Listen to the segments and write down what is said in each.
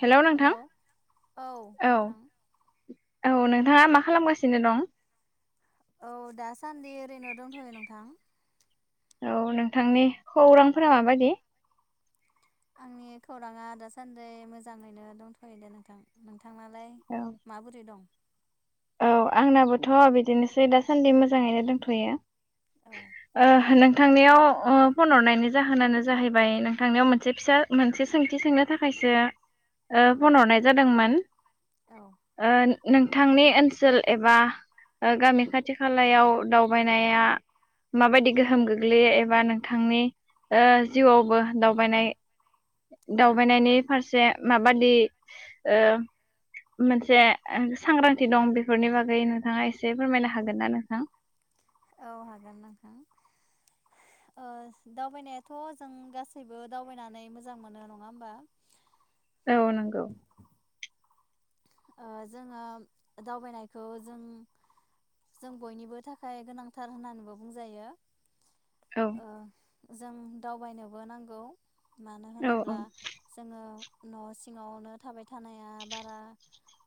हेल' hello नोंथां औ औ नोंथाङा मा खालामगासिनो दं औ दासान्दि ओरैनो दंथ'यो नोंथां औ नोंथांनि खौरांफोरा माबायदि आंनि खौराङा दासान्दि मोजाङैनो दंथ'यो दे नोंथां नोंथां थांनालाय औ माबोरै दं औ आंनाबोथ' बिदिनोसै दासान्दि मोजाङैनो दोनथ'यो औ आ नों नोंथांनिाव फन हरनायनि जाहोनानो जाहैबाय नोंथांनियाव मोनसे फिसा मोनसे सोंथि सोंनो थाखायसो ओ औ फन हरनाय जादोंमोन औ ओ नोंथांनि ओनसोल एबा ओ गामि खाथि खालायाव दावबायनाया माबायदि गोहोम गोग्लैयो एबा नोंथांनि ओ जिउआवबो दावबायनाय औ दावबायनायनि फारसे माबादि ओ मोनसे सांग्रांथि दं बेफोरनि बागै नोंथाङा एसे फोरमायनो हागोन ना नोंथां औ हागोन नोंथां ओ दावबायनायाथ' जों गासैबो दावबायनानै मोजां मोनो नङा होनबा औ नंगौ ओ जोङो दावबायनायखौ जों जों बयनिबो थाखाय गोनांथार होननानैबो बुंजायो औ ओ जों दावबायनोबो नांगौ मानो औ औ होनोब्ला जोङो न' सिङावनो थाबाय थानाया बारा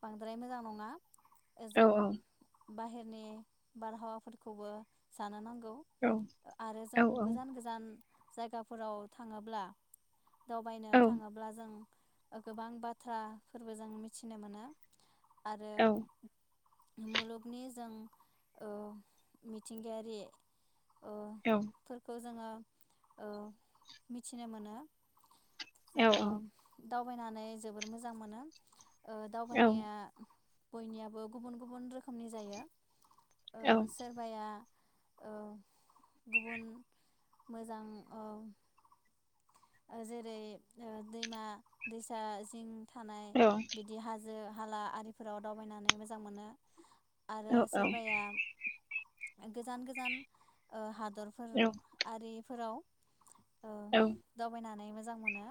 बांद्राय मोजां नङा ओ औ जों बाहेरनि बारहावाफोरखौबो जानो नांगौ गौ आरो औ जों गोजान गोजान जायगाफोराव थाङोब्ला दावबायनो औ थाङोब्ला जों ओ गोबां बाथ्राफोरबो जों मिथि थिनो मोनो आरो औ मुलुगनि जों ओ मिथिंगायारि ओ औ फोरखौ जोङो ओ मिथिनो मोनो औ जोङो दावबायनानै जोबोर मोजां मोनो ओ दावबायनाया बयनियाबो गुबुन गुबुन रोखोमनि जायो ओ सोरबाया ओ गुबुन मोजां ओ ओ जेरै ओ दैमा दैसा जिं थानाय बिदि हाजो जो हाला आरिफोराव दावबायनानै मोजां मोनो आरो औ सोरबाया गोजान गोजान ओ हादर दरफोर आरि फोराव औ दावबायनानै मोजां मोनो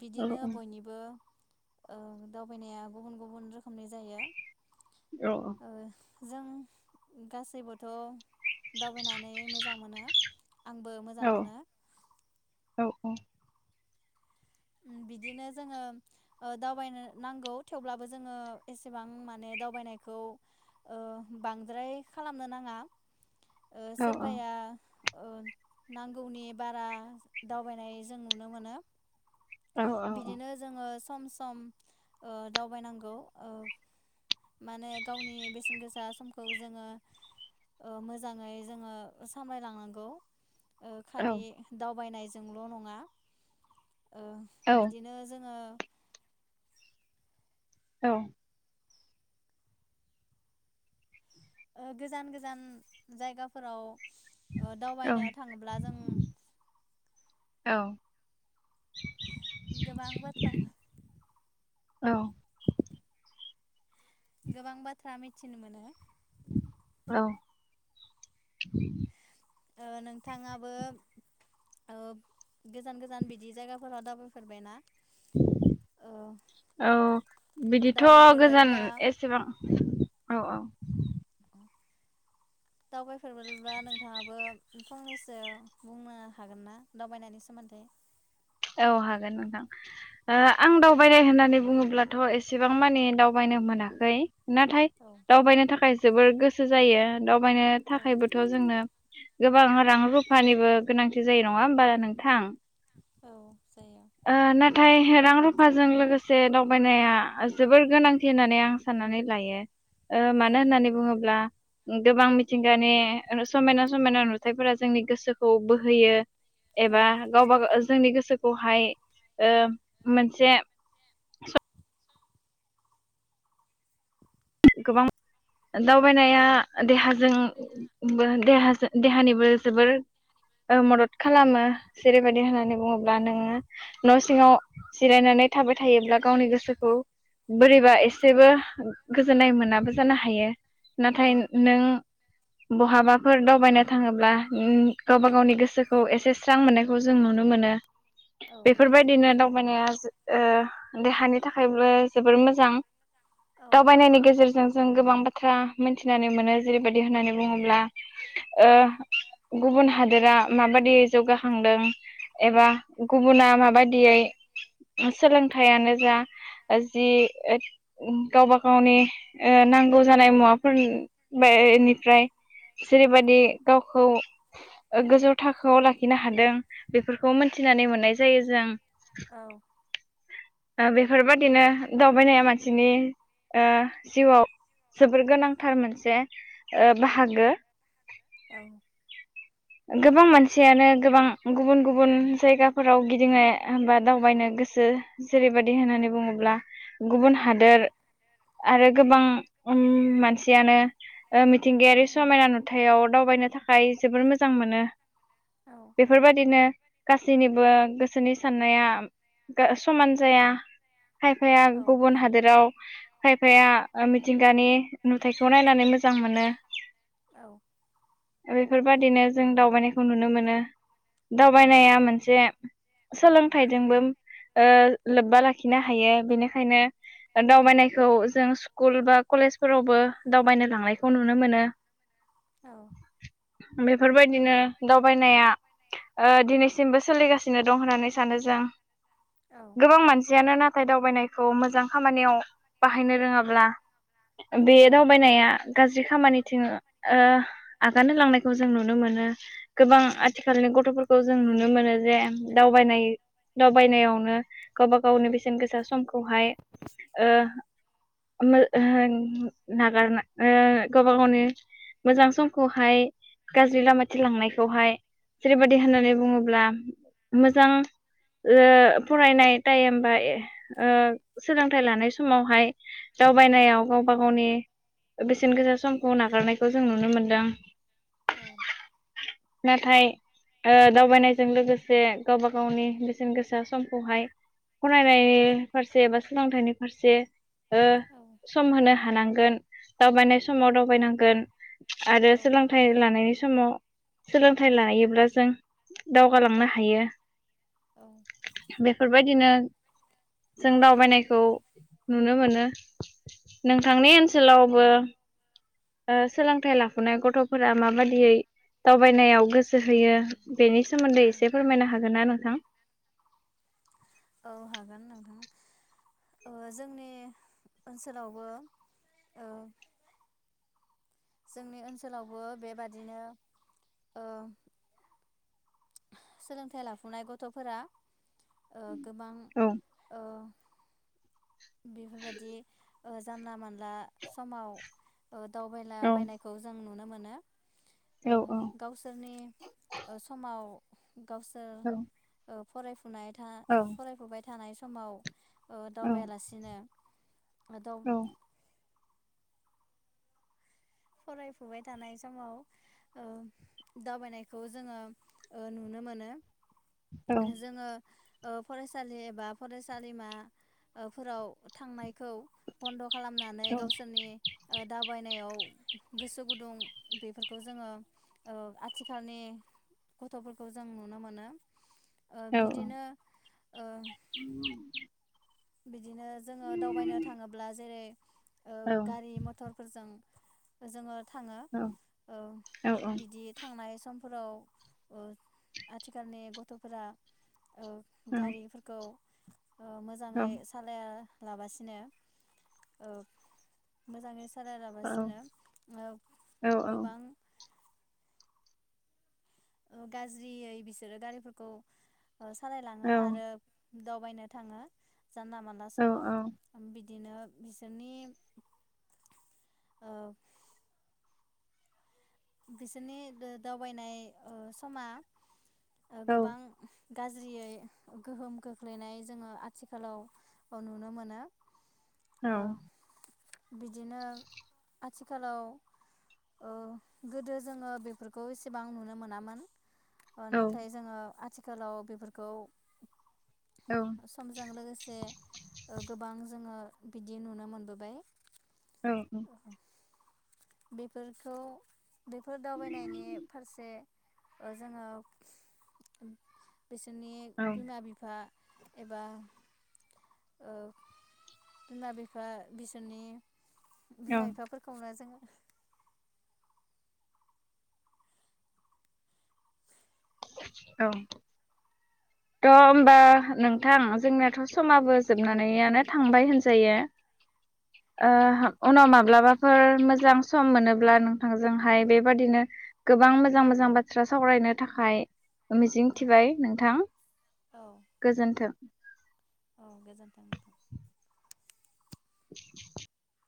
बिदिनो बयनिबो औ दावबायनाया गुबुन गुबुन रोखोम नाय जायो ओ जों गासैबो थ' दावबायनानै मोजां मोनो आंबो मोजां मोनो औ बिदिनो जोङो ओ दावबायनो नांगौ थेवब्लाबो जोङो एसेबां माने दावबायनायखौ ओ बांद्राय खालामनो नाङा ओ सोरबाया ओ नांगौनि बारा दावबायनाय जों नुनो मोनो बिदिनो जोङो सम सम ओ दावबायनांगौ ओ माने गावनि बेसेन गोसा समखौ जोङो ओ मोजाङै जोङो सामलायलांनांगौ ओ खालि दावबायनाय जोंल' नङा बिदिनो जोङो औ गोजान गोजान जायगाफोराव दावबायनो औ थाङोब्ला जों औ गोबां बाथ्रा औ गोबां बाथ्रा मिथिनो मोनो औ नोंथाङाबो ओ गोजान गोजान बिदि जायगाफोराव दावबाय फेरबायना औ बिदिथ' गोजान दावबायफेरबायब्ला एसेबां औ औ दावबायफेरबोब्ला नोंथाङाबो फंनैसो बुंनो हागोन ना दावबायनायनि सोमोन्दै औ हागोन नोंथां ओ आं दावबायनाय होननानै बुङोब्लाथ' एसेबां माने दावबायनो मोनाखै नाथाय औ दावबायनो थाखाय जोबोर गोसो जायो दावबायनो थाखायबोथ' जोंनो गोबां रां रुफानिबो गोनांथि जायो नङा होमबा नोंथां औ जायो। ओ खमायनाया जोबोर गोनांथि होननानै आं साननानै लायो ओ मानो औ होननानै बुङोब्ला गोबां मिथिंगानि समायना समायना नुथायफोरा जोंनि गोसोखौ बोहोयो एबा औ गावबाव जोंनि गोसो गोसोखौहाय ओ मोनसे गोबां औ दावबायनाया देहाजों बो देहानिबो जोबोर मदद खालामो जेरैबायदि होननानै बुङोब्ला नोङो न' सिङाव जिरायनानै थाबाय थायोब्ला गावनि गोसोखौ बोरैबा एसेबो गोजोननाय मोनाबो जानो हायो हायो औ नाथाय नों बहाबाफोर दावबायनो थाङोब्ला ओम गावबा औ गावनि गोसोखौ एसे स्रां मोननायखौ जों नुनो मोनो बेफोरबायदिनो होनबानिया देहानि थाखायबो जोबोर मोजां दाबायनायनि गेजेरजों जों गोबां बाथ्रा मिथिनानै मोनो जेरैबायदि होननानै बुङोब्ला गुबुन हादोरा माबाददियै जौगाखांदों एबा गुबुना माबायदियै सोलोंथाइयानो जा जि गावबा गावनि नांगौ जानाय मुवाफोरनिफ्राय जेरैबायदि गावखौ ओ गोजौ थाखोआव लाखिनो हादों बेफोरखौ मोनथिनानै मोननाय जायो जों औ दा बेफोरबादिनो दावबायनाया मानसिनि ओ जिउआव जोबोर गोनांथार मोनसे ओ बाहागो औ गोबां मानसियानो गोबां गुबुन गुबुन जायगाफोराव गिदिंनो बा दावबायनो गोसो जेरैबायदि होननानै बुङोब्ला गुबुन हादोर आरो गोबां उम मानसियानो ओ मिथिंगायारि उम समायना नुथायाव दावबायनो थाखाय जोबोर मोजां मोनो औ बेफोरबायदिनो गासैनिबो गोसोनि साननाया समान जाया खायफाया औ गुबुन हादोराव खायफाया आ मिथिंगानि नुथाइखौ नायनानै मोजां मोनो औ बेफोरबादिनो जों दावबायनायखौ नुनो मोनो दावबायनाया मोनसे सोलोंथाइजोंबो ओ लोब्बा लाखिनो हायो बेनिखायनो दावबायनायखौ जों स्कुल बा कलेजफोरावबो दावबायनो लांनायखौ नुनो मोनो औ बेफोरबायदिनो दावबायनाया ओ दिनैसिमबो सोलिगासिनो दं होननानै सानो जों औ गोबां मानसियानो ना नाथाय दावबायनायखौ मोजां खामानियाव बाहायनो रोङाब्ला बे औ दावबायनाया गाज्रि खामानिथिं ओ आगान होलांनायखौ जों नुनो मोनो गोबां औ आथिखालनि गथ'फोरखौ जों नुनो मोनो जे दावबायनाय दावबायनायावनो गावबा गावनि बेसेन गोसा समखौहाय ओ [unintelligible] नागार ओ गावबा गावनो मोजां समखौहाय गाज्रि लामाथि लांनायखौहाय जेरैबाय दि होननानै औ बुङोब्ला मोजां ओ फरायनाय टाइम बा ओ सोलोंथाइ लानाय समावहाय दावबायनायाव गावबा गावनि बेसेन गोसा समखौ नागारनायखौ जों नुनो मोनदों औ नाथाय ओ दावबायनायजों लोगोसे गावबा गावनि बेसेन गोसा समखौहाय फरायनायनि फारसे एबा सोलोंथाइनि फारसे ओ सम होनो हानां गोन दावबायनाय समाव दावबायनांगोन आरो सोलोंथाइ लानायनि समाव सोलोंथाइ लायोब्ला जों दावगालांनो हायो औ बायदिनो जों दावबायनायखौ नुनो मोनो नोंथांनि ओनसोलावबो ओ सोलोंथाइ लाफुनाय गथ'फोरा माबादियै दावबायनायाव गोसो होयो बेनि सोमोन्दै एसे फोरमायनो हागोन ना नोंथां? औ हागोन नोंथां ओ जोंनि ओनसोलावबो ओ जोंनि ओनसोलावबो बेबादिनो ओ सोलोंथाइ लाफुनाय गथ'फोरा ओ गोबां औ ओ बेफोरबायदि ओ जानला मोनला समाव ओ औ दावबायलाबायनायखौ जों नुनो मोन नो औ ओ औ गावसोरनि ओ समाव गावसो औ ओ फरायफु फुनाय था औ फरायफुबाय थानाय सम समाव अ औ दावबायलासि बिदिनो दा औ फरायफुबाय थानाय समाव ओ दावबायनायखौ जोङो ओ नुनो मोनो औ जोङो ओ फरायसालि एबा फरायसालिमा ओ फोराव थांनायखौ बन्द' खालामनानै गावसोरनि दाबायनायाव गोसो गुदुं बेफोरखौ जोङो ओ आथिखालनि गथ'फोरखौ जों नुनो मोनो ओ औ औ बिदिनो ओ बिदिनो जोङो दावबायनो थाङोब्ला जेरै ओ औ गारि मथरफोरजों जोङो थाङो ओ औ बिदि थांनाय आसामफोराव आथिखालनि गथ'फोरा ओ गारिफोरखौ अ जाङै सालाया लाबासिनो औ मोजाङै सारालाबासिनो ओ औ गोबां ओ गाज्रियै बिसोरो गारिफोरखौ ओ सालायलाङो औ आरो दावबायनो थाङो जानला मानला थ' समाव बि दिनो बिसोरनि ओ बिसोरनि दो दावबायनाय ओ समा ओ गोबां गाज्रियै गोहोम खोख्लैनाय जोङो आथिखालाव ओ नुनो मोनो औ ओ बिदिनो आथिखालाव ओ गोदो जोङो बेफोरखौ इसेबां नुनो मोनामोन अ नाथाय जोङो आथि खालाव बेफोरखौ समजों लोगोसे ओ गोबां जोङो बिदि नुनो मोनबोबाय औ उम बेफोरखौ बेफोर दावबायनायनि फारसे ओ जोङो बिसोरनि बिमा बिफा एबा ओ बिमा बिफा बिसोरनि बिमा बिफाफोरखौनो जोङो औ थ' होमबा नोंथां जोंनियाथ' समाबो जोबनानैयानो थांबाय होनजायो औ ओ उनाव माब्लाबा फोर मोजां सम मोनोब्ला नोंथांजोंहाय बेबादिनो गोबां मोजां मोजां बाथ्रा सावरायनो थाखाय मिजिं औ थिबाय नोंथां औ गोजोन्थों औ गोजोन्थों नोंथां [inaudible]